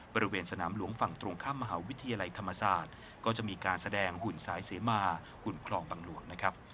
บริเวณสนามหลวงฝั่งตรงข้ามมหาวิทยาลัยธรรมศาสตร์ก็จะมีการแสดงหุ่นสายเสมาหุ่นคลองบังหลวงนะครับ